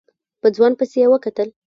په ځوان پسې يې وکتل.